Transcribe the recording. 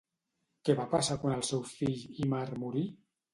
Què va passar quan el seu fill Ímar morí?